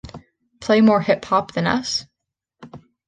Play more hip-hop than us?